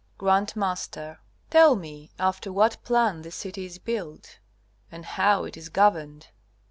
G.M. Tell me after what plan this city is built and how it is governed.